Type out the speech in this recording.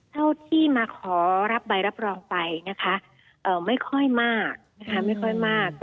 เท่าที่มาขอรับใบรับรองไปนะคะไม่ค่อยมาก